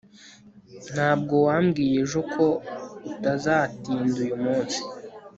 ntabwo wambwiye ejo ko utazatinda uyu munsi